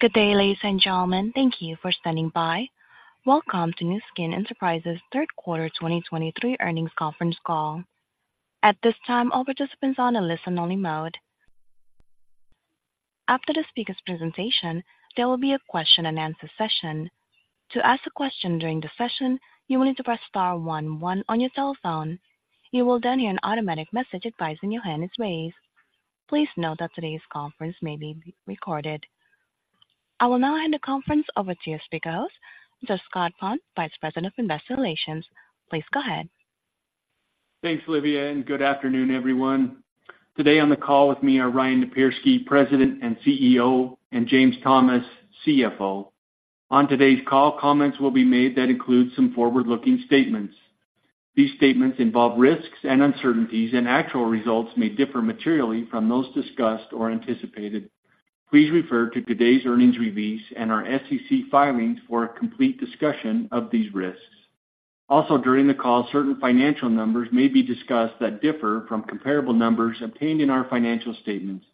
Good day, ladies and gentlemen. Thank you for standing by. Welcome to Nu Skin Enterprises' Q3 2023 earnings conference call. At this time, all participants are on a listen-only mode. After the speaker's presentation, there will be a question-and-answer session. To ask a question during the session, you will need to press star one one on your telephone. You will then hear an automatic message advising you when it's raised. Please note that today's conference may be recorded. I will now hand the conference over to your speakers, to Scott Pond, Vice President of Investor Relations. Please go ahead. Thanks, Livia, and good afternoon, everyone. Today on the call with me are Ryan Napierski, President and CEO, and James Thomas, CFO. On today's call, comments will be made that include some forward-looking statements. These statements involve risks and uncertainties, and actual results may differ materially from those discussed or anticipated. Please refer to today's earnings release and our SEC filings for a complete discussion of these risks. Also, during the call, certain financial numbers may be discussed that differ from comparable numbers obtained in our financial statements.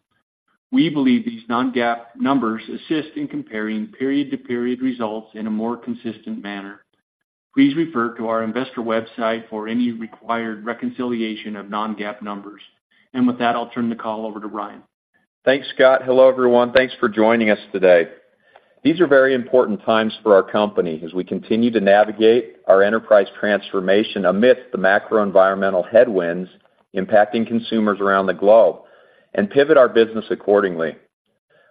We believe these non-GAAP numbers assist in comparing period-to-period results in a more consistent manner. Please refer to our investor website for any required reconciliation of non-GAAP numbers. With that, I'll turn the call over to Ryan. Thanks, Scott. Hello, everyone. Thanks for joining us today. These are very important times for our company as we continue to navigate our enterprise transformation amidst the macro environmental headwinds impacting consumers around the globe and pivot our business accordingly.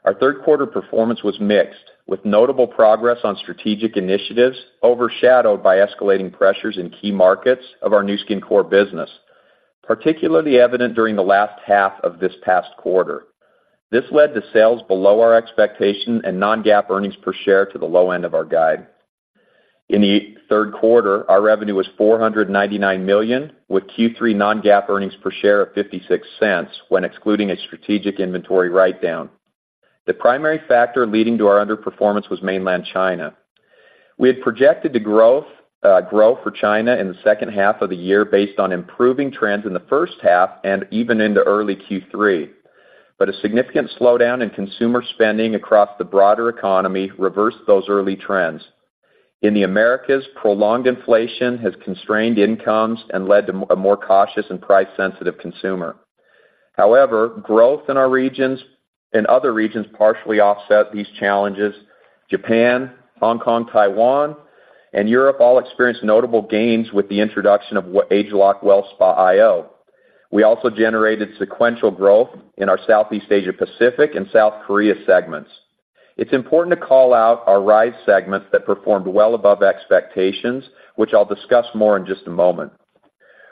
Our Q3 performance was mixed, with notable progress on strategic initiatives overshadowed by escalating pressures in key markets of our Nu Skin core business, particularly evident during the last half of this past quarter. This led to sales below our expectation and non-GAAP earnings per share to the low end of our guide. In the Q3, our revenue was $499 million, with Q3 non-GAAP earnings per share of $0.56 when excluding a strategic inventory write-down. The primary factor leading to our underperformance was Mainland China. We had projected the growth, growth for China in the second half of the year based on improving trends in the first half and even into early Q3. But a significant slowdown in consumer spending across the broader economy reversed those early trends. In the Americas, prolonged inflation has constrained incomes and led to a more cautious and price-sensitive consumer. However, growth in our regions in other regions partially offset these challenges. Japan, Hong Kong, Taiwan, and Europe all experienced notable gains with the introduction of the ageLOC WellSpa iO. We also generated sequential growth in our Southeast Asia Pacific and South Korea segments. It's important to call out our Rhyz segments that performed well above expectations, which I'll discuss more in just a moment.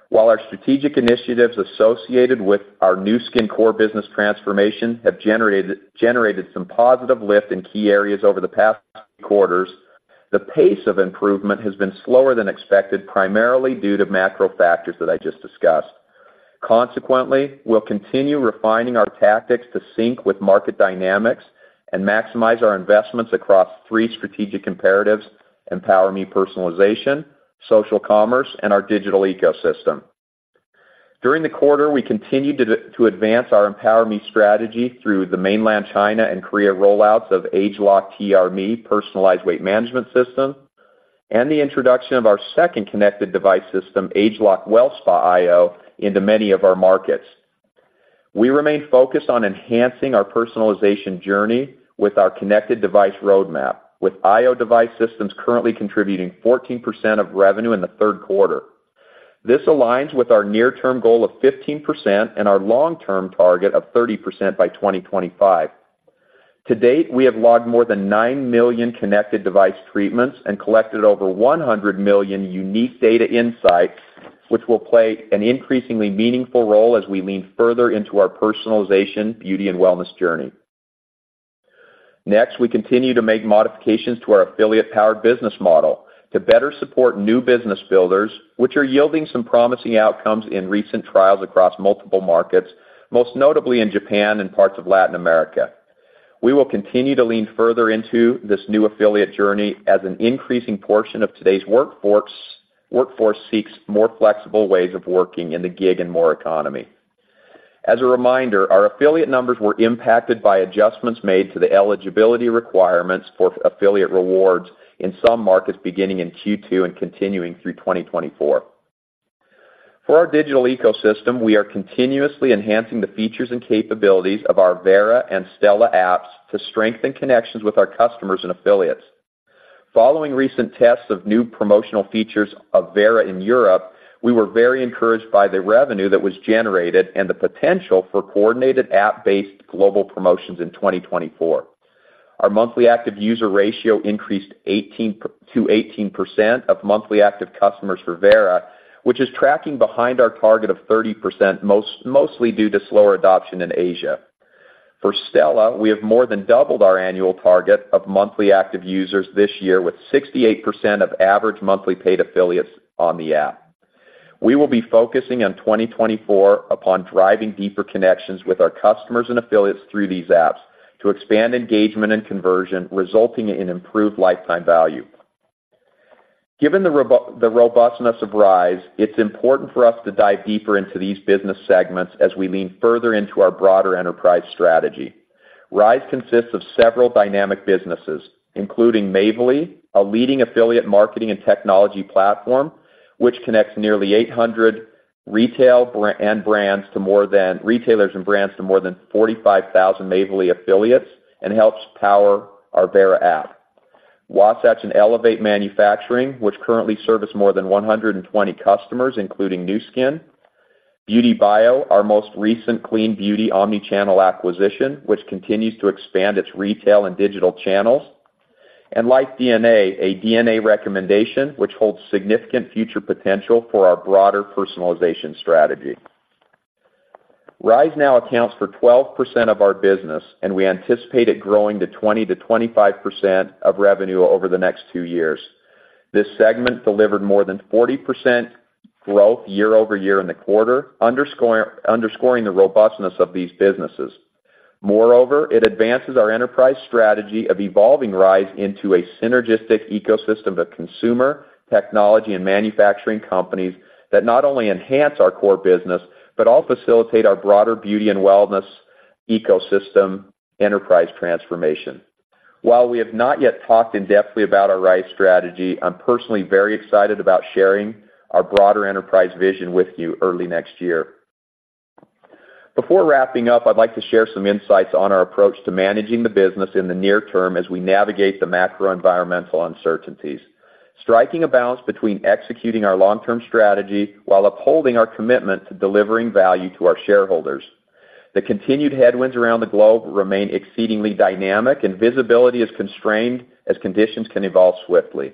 While our strategic initiatives associated with our Nu Skin core business transformation have generated some positive lift in key areas over the past quarters, the pace of improvement has been slower than expected, primarily due to macro factors that I just discussed. Consequently, we'll continue refining our tactics to sync with market dynamics and maximize our investments across three strategic imperatives: Empower Me Personalization, social commerce, and our digital ecosystem. During the quarter, we continued to advance our Empower Me strategy through the Mainland China and Korea rollouts of ageLOC TRMe personalized weight management system, and the introduction of our second connected device system, ageLOC WellSpa iO, into many of our markets. We remain focused on enhancing our personalization journey with our connected device roadmap, with iO device systems currently contributing 14% of revenue in the Q3. This aligns with our near-term goal of 15% and our long-term target of 30% by 2025. To date, we have logged more than 9 million connected device treatments and collected over 100 million unique data insights, which will play an increasingly meaningful role as we lean further into our personalization, beauty, and wellness journey. Next, we continue to make modifications to our affiliate-powered business model to better support new business builders, which are yielding some promising outcomes in recent trials across multiple markets, most notably in Japan and parts of Latin America. We will continue to lean further into this new affiliate journey as an increasing portion of today's workforce seeks more flexible ways of working in the gig economy. As a reminder, our affiliate numbers were impacted by adjustments made to the eligibility requirements for affiliate rewards in some markets beginning in Q2 and continuing through 2024. For our digital ecosystem, we are continuously enhancing the features and capabilities of our Vera and Stela apps to strengthen connections with our customers and affiliates. Following recent tests of new promotional features of Vera in Europe, we were very encouraged by the revenue that was generated and the potential for coordinated app-based global promotions in 2024. Our monthly active user ratio increased to 18% of monthly active customers for Vera, which is tracking behind our target of 30%, mostly due to slower adoption in Asia. For Stela, we have more than doubled our annual target of monthly active users this year, with 68% of average monthly paid affiliates on the app. We will be focusing on 2024 upon driving deeper connections with our customers and affiliates through these apps to expand engagement and conversion, resulting in improved lifetime value. Given the robustness of Rhyz, it's important for us to dive deeper into these business segments as we lean further into our broader enterprise strategy. Rhyz consists of several dynamic businesses, including Mavely, a leading affiliate marketing and technology platform, which connects nearly 800 retailers and brands to more than 45,000 Mavely affiliates and helps power our Vera app. Wasatch and Elevate Manufacturing, which currently service more than 120 customers, including Nu Skin, BeautyBio, our most recent clean beauty omni-channel acquisition, which continues to expand its retail and digital channels. And LifeDNA, a DNA recommendation, which holds significant future potential for our broader personalization strategy. Rhyz now accounts for 12% of our business, and we anticipate it growing to 20%-25% of revenue over the next two years. This segment delivered more than 40% growth year over year in the quarter, underscoring the robustness of these businesses. Moreover, it advances our enterprise strategy of evolving Rhyz into a synergistic ecosystem of consumer, technology, and manufacturing companies that not only enhance our core business, but also facilitate our broader beauty and wellness ecosystem enterprise transformation. While we have not yet talked in depth about our Rhyz strategy, I'm personally very excited about sharing our broader enterprise vision with you early next year. Before wrapping up, I'd like to share some insights on our approach to managing the business in the near term as we navigate the macro environmental uncertainties, striking a balance between executing our long-term strategy while upholding our commitment to delivering value to our shareholders. The continued headwinds around the globe remain exceedingly dynamic, and visibility is constrained as conditions can evolve swiftly.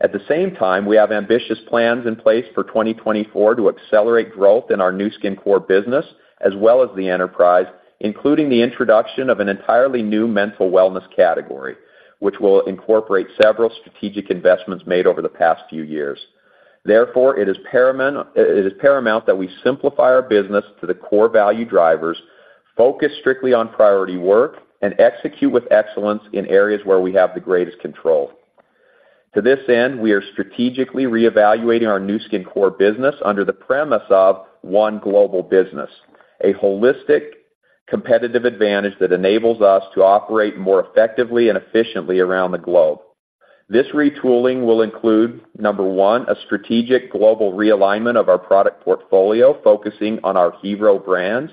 At the same time, we have ambitious plans in place for 2024 to accelerate growth in our Nu Skin core business, as well as the enterprise, including the introduction of an entirely new mental wellness category, which will incorporate several strategic investments made over the past few years. Therefore, it is paramount, it is paramount that we simplify our business to the core value drivers, focus strictly on priority work, and execute with excellence in areas where we have the greatest control. To this end, we are strategically reevaluating our Nu Skin core business under the premise of one global business, a holistic competitive advantage that enables us to operate more effectively and efficiently around the globe. This retooling will include, number one, a strategic global realignment of our product portfolio, focusing on our hero brands.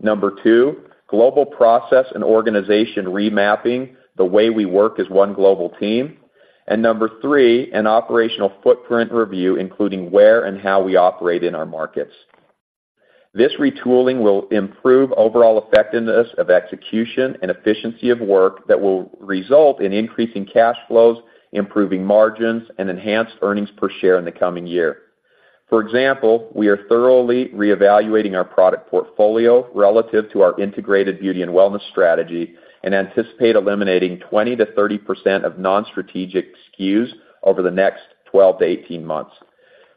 Number two, global process and organization remapping, the way we work as one global team. And number three, an operational footprint review, including where and how we operate in our markets. This retooling will improve overall effectiveness of execution and efficiency of work that will result in increasing cash flows, improving margins, and enhanced earnings per share in the coming year. For example, we are thoroughly reevaluating our product portfolio relative to our integrated beauty and wellness strategy and anticipate eliminating 20%-30% of non-strategic SKUs over the next 12-18 months.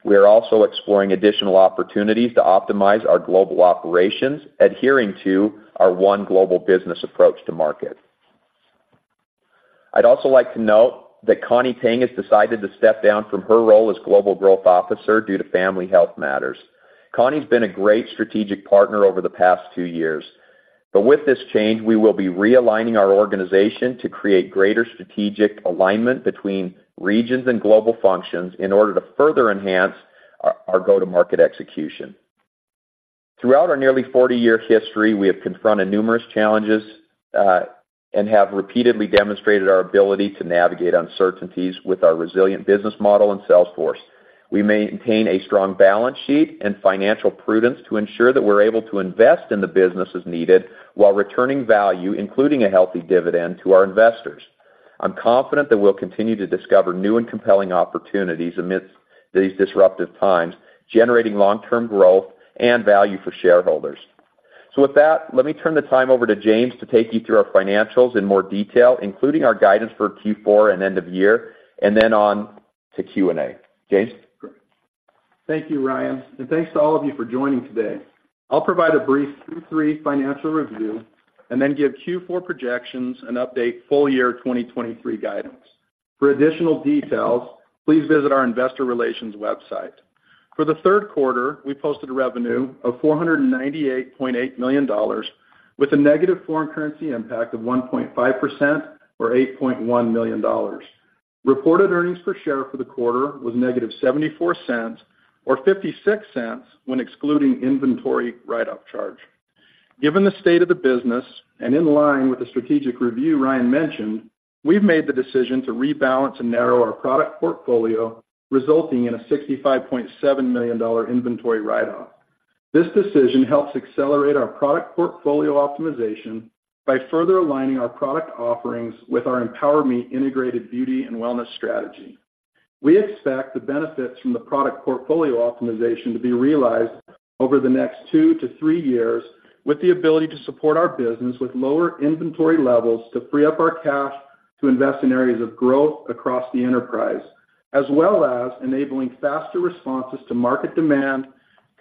We are also exploring additional opportunities to optimize our global operations, adhering to our one global business approach to market. I'd also like to note that Connie Tang has decided to step down from her role as Global Growth Officer due to family health matters. Connie's been a great strategic partner over the past two years, but with this change, we will be realigning our organization to create greater strategic alignment between regions and global functions in order to further enhance our go-to-market execution. Throughout our nearly 40-year history, we have confronted numerous challenges and have repeatedly demonstrated our ability to navigate uncertainties with our resilient business model and sales force. We maintain a strong balance sheet and financial prudence to ensure that we're able to invest in the business as needed, while returning value, including a healthy dividend to our investors. I'm confident that we'll continue to discover new and compelling opportunities amidst these disruptive times, generating long-term growth and value for shareholders. With that, let me turn the time over to James to take you through our financials in more detail, including our guidance for Q4 and end of year, and then on to Q&A. James? Thank you, Ryan, and thanks to all of you for joining today. I'll provide a brief Q3 financial review and then give Q4 projections and update full-year 2023 guidance. For additional details, please visit our investor relations website. For the Q3, we posted a revenue of $498.8 million, with a negative foreign currency impact of 1.5% or $8.1 million. Reported earnings per share for the quarter was -$0.74 or $0.56 when excluding inventory write-up charge. Given the state of the business, and in line with the strategic review Ryan mentioned, we've made the decision to rebalance and narrow our product portfolio, resulting in a $65.7 million inventory write-off. This decision helps accelerate our product portfolio optimization by further aligning our product offerings with our Empower Me integrated beauty and wellness strategy. We expect the benefits from the product portfolio optimization to be realized over the next two-three years, with the ability to support our business with lower inventory levels to free up our cash to invest in areas of growth across the enterprise, as well as enabling faster responses to market demand,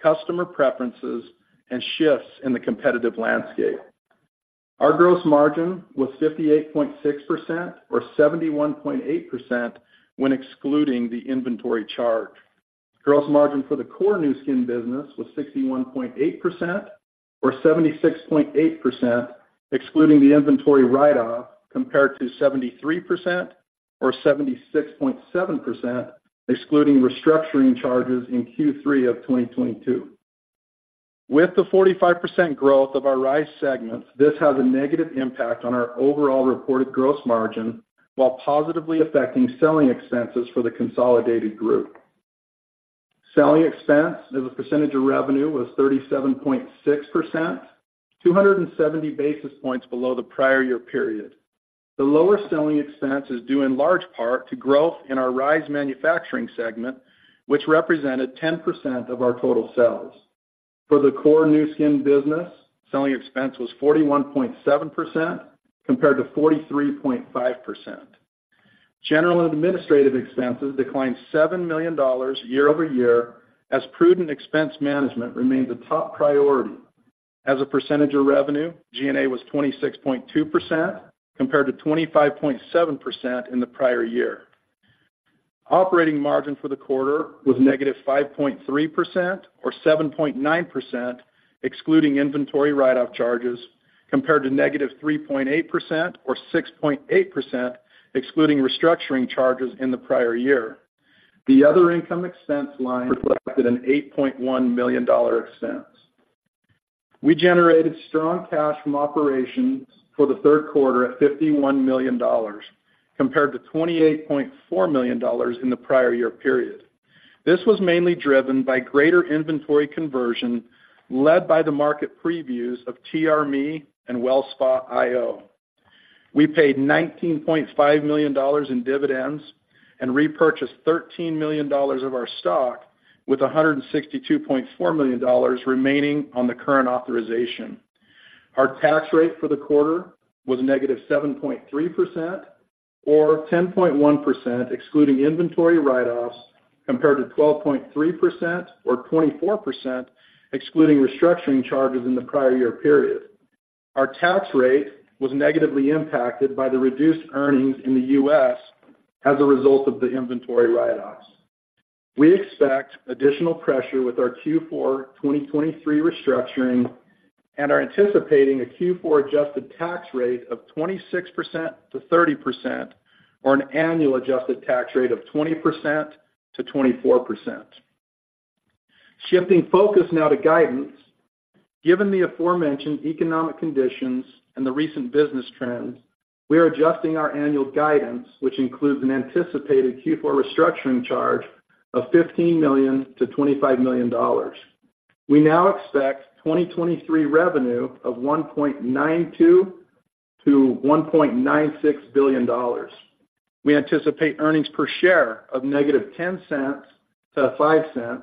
customer preferences, and shifts in the competitive landscape. Our gross margin was 58.6% or 71.8% when excluding the inventory charge. Gross margin for the core Nu Skin business was 61.8% or 76.8%, excluding the inventory write-off, compared to 73% or 76.7%, excluding restructuring charges in Q3 of 2022. With the 45% growth of our Rhyz segment, this has a negative impact on our overall reported gross margin, while positively affecting selling expenses for the consolidated group. Selling expense as a percentage of revenue was 37.6%, 270 basis points below the prior year period. The lower selling expense is due in large part to growth in our Rhyz manufacturing segment, which represented 10% of our total sales. For the core Nu Skin business, selling expense was 41.7% compared to 43.5%. General and administrative expenses declined $7 million year-over-year, as prudent expense management remained a top priority. As a percentage of revenue, G&A was 26.2%, compared to 25.7% in the prior year. Operating margin for the quarter was -5.3% or 7.9%, excluding inventory write-off charges, compared to -3.8% or 6.8%, excluding restructuring charges in the prior year. The other income expense line reflected an $8.1 million expense. We generated strong cash from operations for the Q3 at $51 million, compared to $28.4 million in the prior year period. This was mainly driven by greater inventory conversion, led by the market previews of TRMe and WellSpa iO. We paid $19.5 million in dividends and repurchased $13 million of our stock, with $162.4 million remaining on the current authorization. Our tax rate for the quarter was -7.3% or 10.1%, excluding inventory write-offs, compared to 12.3% or 24%, excluding restructuring charges in the prior year period. Our tax rate was negatively impacted by the reduced earnings in the U.S. as a result of the inventory write-offs. We expect additional pressure with our Q4 2023 restructuring and are anticipating a Q4 adjusted tax rate of 26%-30% or an annual adjusted tax rate of 20%-24%. Shifting focus now to guidance. Given the aforementioned economic conditions and the recent business trends, we are adjusting our annual guidance, which includes an anticipated Q4 restructuring charge of $15 million-$25 million. We now expect 2023 revenue of $1.92 billion-$1.96 billion. We anticipate earnings per share of -$0.10-$0.05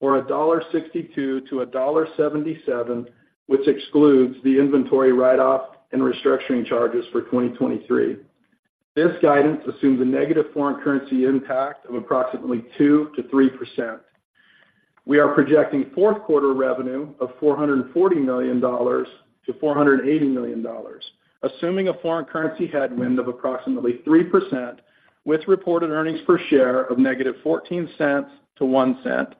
or $1.62-$1.77, which excludes the inventory write-off and restructuring charges for 2023. This guidance assumes a negative foreign currency impact of approximately 2%-3%. We are projecting fourth quarter revenue of $440 million-$480 million, assuming a foreign currency headwind of approximately 3%, with reported earnings per share of -$0.14-$0.01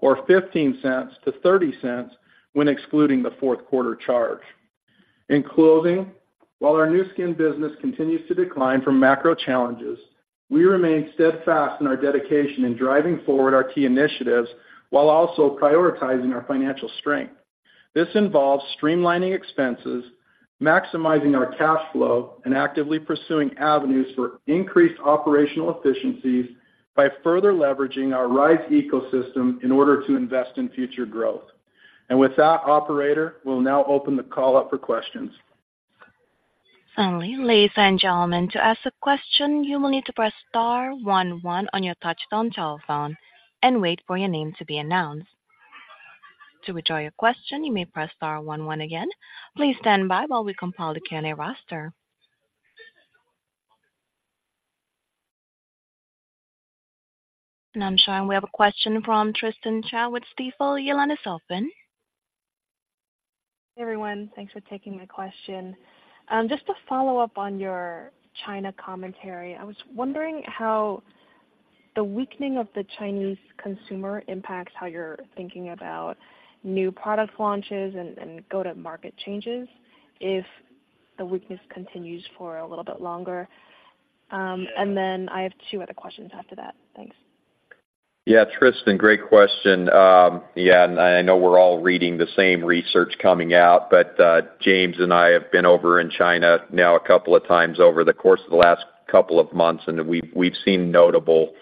or $0.15-$0.30 when excluding the fourth quarter charge. In closing, while our Nu Skin business continues to decline from macro challenges, we remain steadfast in our dedication in driving forward our key initiatives while also prioritizing our financial strength. This involves streamlining expenses, maximizing our cash flow, and actively pursuing avenues for increased operational efficiencies by further leveraging our Rhyz ecosystem in order to invest in future growth. With that, operator, we'll now open the call up for questions. Finally, ladies and gentlemen, to ask a question, you will need to press star one one on your touchtone telephone and wait for your name to be announced. To withdraw your question, you may press star one one again. Please stand by while we compile the Q&A roster. I'm showing we have a question from Tristen Chau with Stifel. Your line is open. Hey, everyone. Thanks for taking my question. Just to follow up on your China commentary, I was wondering how the weakening of the Chinese consumer impacts how you're thinking about new product launches and go-to-market changes if the weakness continues for a little bit longer? And then I have two other questions after that. Thanks. Yeah, Tristen, great question. Yeah, and I know we're all reading the same research coming out, but James and I have been over in China now a couple of times over the course of the last couple of months, and we've seen notable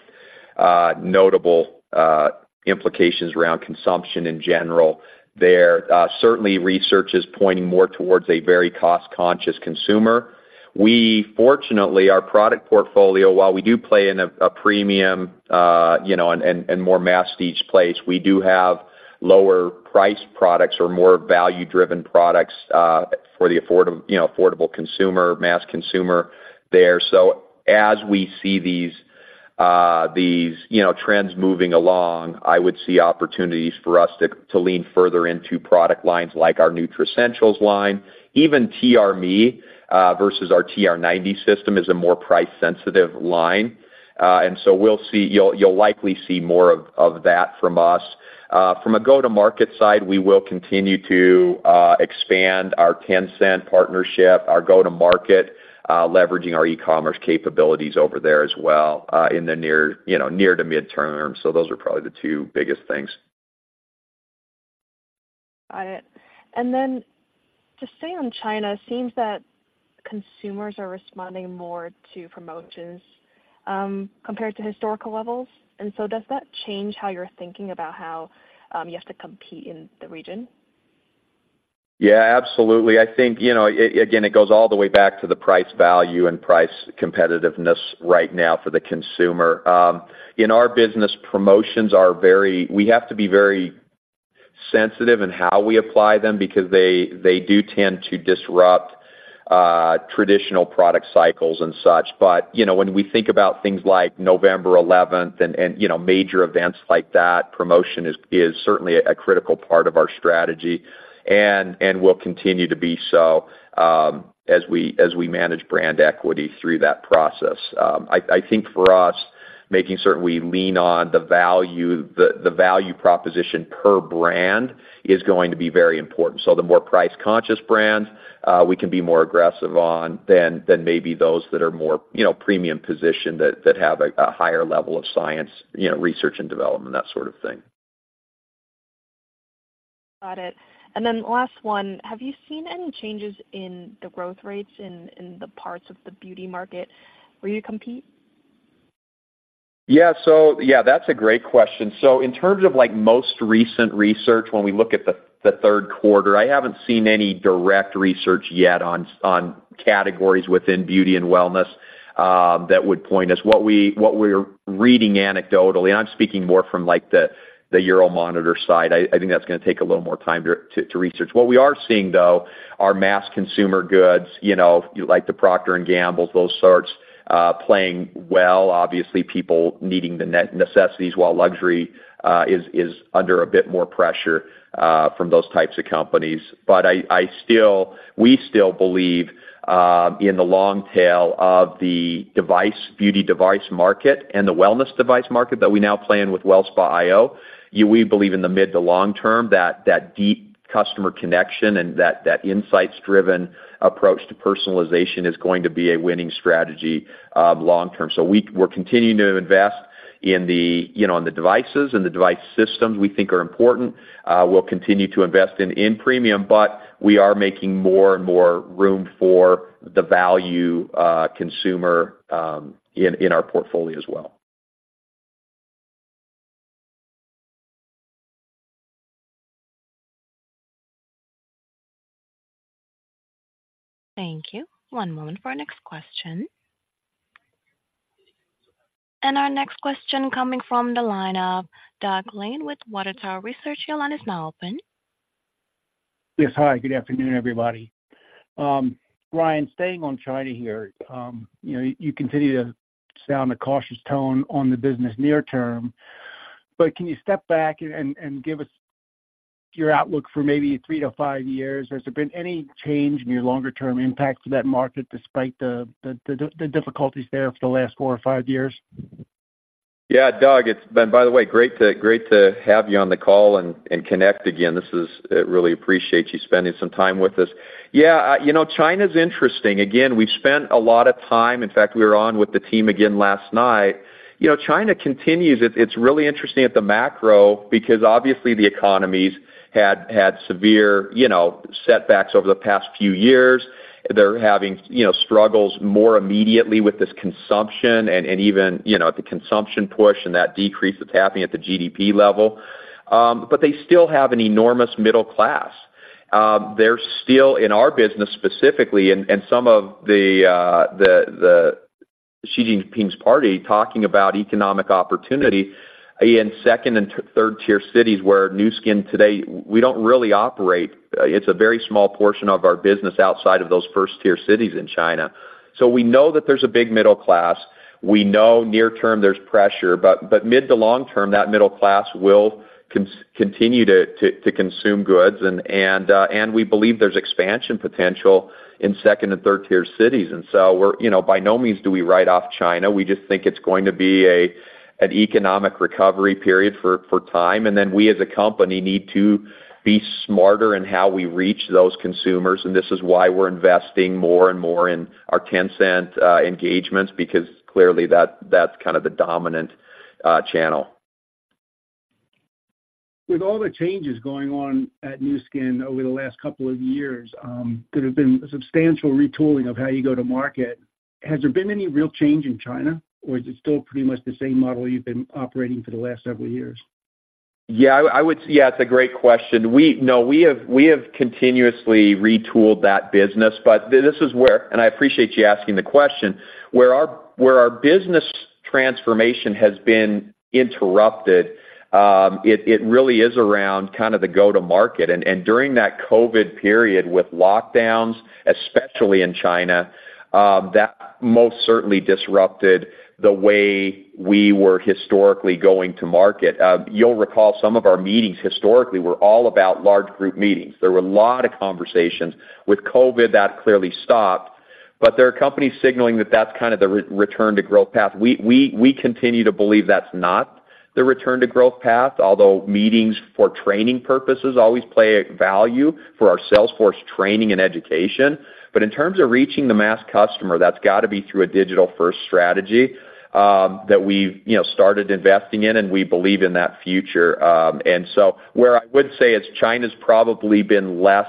implications around consumption in general there. Certainly, research is pointing more towards a very cost-conscious consumer. We fortunately, our product portfolio, while we do play in a premium, you know, and more mass each place, we do have lower priced products or more value-driven products for the, you know, affordable consumer, mass consumer there. So as we see these trends moving along, I would see opportunities for us to lean further into product lines like our Nutricentials line. Even TRMe versus our TR90 system is a more price-sensitive line. And so we'll see—you'll likely see more of that from us. From a go-to-market side, we will continue to expand our Tencent partnership, our go-to-market leveraging our e-commerce capabilities over there as well, in the near, you know, near to midterm. So those are probably the two biggest things. Got it. And then to stay on China, seems that consumers are responding more to promotions, compared to historical levels. And so does that change how you're thinking about how, you have to compete in the region? Yeah, absolutely. I think, you know, again, it goes all the way back to the price value and price competitiveness right now for the consumer. In our business, promotions are very, we have to be very sensitive in how we apply them because they, they do tend to disrupt traditional product cycles and such. But, you know, when we think about things like November 11th and, you know, major events like that, promotion is certainly a critical part of our strategy and will continue to be so as we manage brand equity through that process. I think for us, making certain we lean on the value, the value proposition per brand is going to be very important. So the more price-conscious brands, we can be more aggressive on than maybe those that are more, you know, premium positioned, that have a higher level of science, you know, research and development, that sort of thing. Got it. And then last one, have you seen any changes in the growth rates in the parts of the beauty market where you compete? Yeah. So yeah, that's a great question. So in terms of, like, most recent research, when we look at the Q3, I haven't seen any direct research yet on categories within beauty and wellness that would point us. What we're reading anecdotally, and I'm speaking more from like the Euromonitor side, I think that's gonna take a little more time to research. What we are seeing, though, are mass consumer goods, you know, like the Procter & Gamble, those sorts, playing well. Obviously, people needing the necessities, while luxury is under a bit more pressure from those types of companies. But we still believe in the long tail of the device, beauty device market and the wellness device market that we now play in with WellSpa iO. We believe in the mid to long term, that deep customer connection and that insights-driven approach to personalization is going to be a winning strategy, long term. So we're continuing to invest in the, you know, in the devices, and the device systems we think are important. We'll continue to invest in premium, but we are making more and more room for the value consumer in our portfolio as well. Thank you. One moment for our next question. Our next question coming from the line of Doug Lane with Water Tower Research. Your line is now open. Yes. Hi, good afternoon, everybody. Ryan, staying on China here, you know, you continue to sound a cautious tone on the business near term, but can you step back and give us your outlook for maybe three to five years? Has there been any change in your longer-term impact for that market despite the difficulties there for the last four or five years? Yeah, Doug, it's been, by the way, great to have you on the call and connect again. This is. I really appreciate you spending some time with us. Yeah, you know, China's interesting. Again, we've spent a lot of time. In fact, we were on with the team again last night. You know, China continues it. It's really interesting at the macro because obviously, the economy had severe, you know, setbacks over the past few years. They're having, you know, struggles more immediately with this consumption and even, you know, the consumption push and that decrease that's happening at the GDP level. But they still have an enormous middle class. They're still, in our business specifically, and some of the, the Xi Jinping's party talking about economic opportunity in second and third-tier cities where Nu Skin today, we don't really operate. It's a very small portion of our business outside of those first-tier cities in China. So we know that there's a big middle class. We know near term, there's pressure, but mid to long term, that middle class will continue to consume goods, and we believe there's expansion potential in second and third-tier cities. And so we're—you know, by no means do we write off China. We just think it's going to be a, an economic recovery period for time. And then we, as a company, need to be smarter in how we reach those consumers, and this is why we're investing more and more in our Tencent engagements, because clearly, that, that's kind of the dominant channel. With all the changes going on at Nu Skin over the last couple of years, there have been a substantial retooling of how you go to market. Has there been any real change in China, or is it still pretty much the same model you've been operating for the last several years? Yeah, yeah, it's a great question. No, we have, we have continuously retooled that business, but this is where, and I appreciate you asking the question, where our, where our business transformation has been interrupted. It really is around kind of the go-to-market. And during that COVID period with lockdowns, especially in China, that most certainly disrupted the way we were historically going to market. You'll recall some of our meetings historically were all about large group meetings. There were a lot of conversations. With COVID, that clearly stopped, but there are companies signaling that that's kind of the return to growth path. We, we continue to believe that's not the return to growth path, although meetings for training purposes always play a value for our sales force training and education. But in terms of reaching the mass customer, that's got to be through a digital-first strategy that we've, you know, started investing in, and we believe in that future. And so where I would say is China's probably been less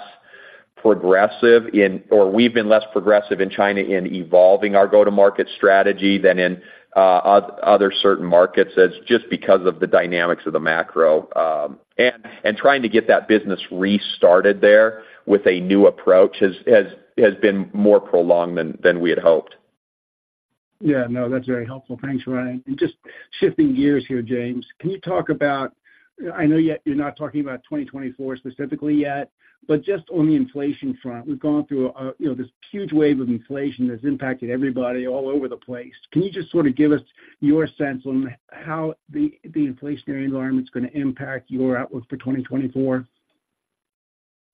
progressive in or we've been less progressive in China in evolving our go-to-market strategy than in other certain markets. It's just because of the dynamics of the macro, and trying to get that business restarted there with a new approach has been more prolonged than we had hoped. Yeah, no, that's very helpful. Thanks, Ryan. Just shifting gears here, James, can you talk about... I know you're not talking about 2024 specifically yet, but just on the inflation front, we've gone through a, you know, this huge wave of inflation that's impacted everybody all over the place. Can you just sort of give us your sense on how the inflationary environment is going to impact your outlook for 2024?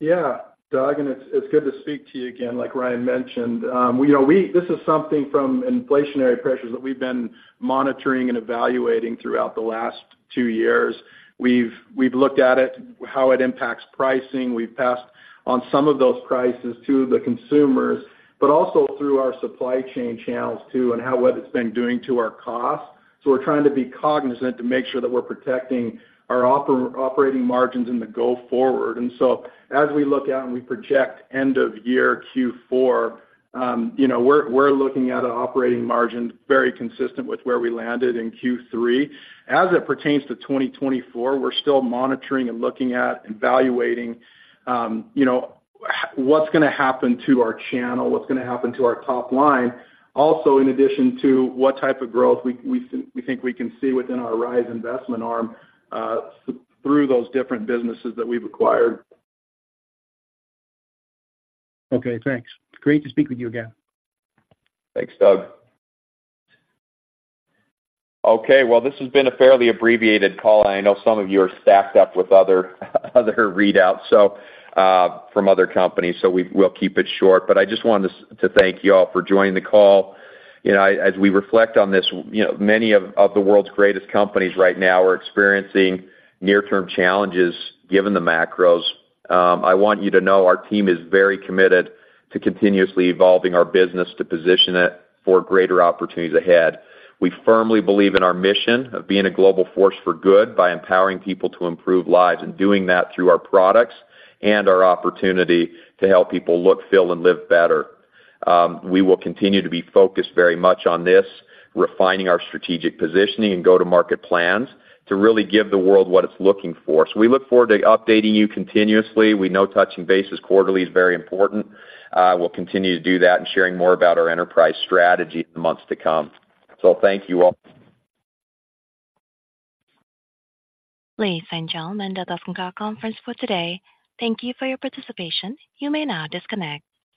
Yeah, Doug, and it's good to speak to you again. Like Ryan mentioned, this is something from inflationary pressures that we've been monitoring and evaluating throughout the last two years. We've looked at it, how it impacts pricing. We've passed on some of those prices to the consumers, but also through our supply chain channels, too, and what it's been doing to our costs. So we're trying to be cognizant to make sure that we're protecting our operating margins in the go forward. And so as we look out and we project end of year Q4, you know, we're looking at an operating margin very consistent with where we landed in Q3. As it pertains to 2024, we're still monitoring and looking at, evaluating, you know, what's going to happen to our channel, what's going to happen to our top line. Also, in addition to what type of growth we think we can see within our Rhyz investment arm, through those different businesses that we've acquired. Okay, thanks. It's great to speak with you again. Thanks, Doug. Okay, well, this has been a fairly abbreviated call. I know some of you are stacked up with other readouts, so from other companies, so we'll keep it short. But I just wanted to thank you all for joining the call. You know, as we reflect on this, you know, many of the world's greatest companies right now are experiencing near-term challenges, given the macros. I want you to know our team is very committed to continuously evolving our business to position it for greater opportunities ahead. We firmly believe in our mission of being a global force for good by empowering people to improve lives, and doing that through our products and our opportunity to help people look, feel, and live better. We will continue to be focused very much on this, refining our strategic positioning and go-to-market plans to really give the world what it's looking for. So we look forward to updating you continuously. We know touching base quarterly is very important. We'll continue to do that and sharing more about our enterprise strategy in the months to come. So thank you all. Ladies and gentlemen, that concludes our conference for today. Thank you for your participation. You may now disconnect.